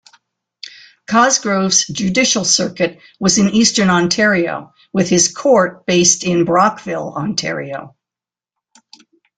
Cosgrove's judicial circuit was in eastern Ontario with his court based in Brockville, Ontario.